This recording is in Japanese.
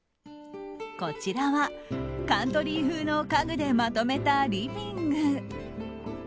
こちらはカントリー風の家具でまとめたリビング。